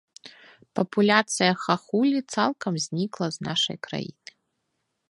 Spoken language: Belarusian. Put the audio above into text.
Папуляцыя хахулі цалкам знікла з нашай краіны.